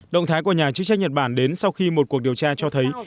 động thái của nhà chức trách nhật bản đến sau khi một cuộc điều tra cho thấy